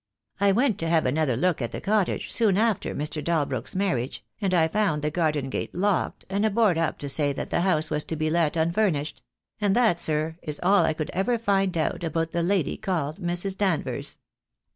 I went to have another look at the cottage soon after Mr. Dalbrook's marriage, and I found the garden gate locked, and a board up to say that the house was to be let unfurnished; and that, sir, is all I could ever find out about the lady called Mrs. Danvers."